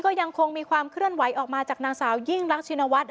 ก็ยังคงมีความเคลื่อนไหวออกมาจากนางสาวยิ่งรักชินวัฒน